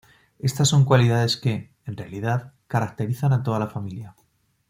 Estas son cualidades que, en realidad, caracterizan a toda la familia.